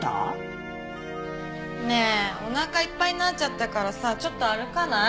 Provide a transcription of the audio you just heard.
ねえお腹いっぱいになっちゃったからさちょっと歩かない？